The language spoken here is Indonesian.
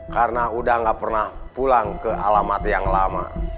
karena udah gak pernah pulang ke alamat yang lama